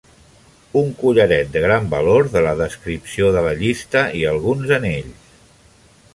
Un collaret de gran valor, de la descripció de la llista, i alguns anells.